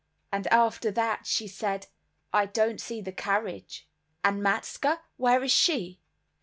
and after that she said, "I don't see the carriage; and Matska, where is she?"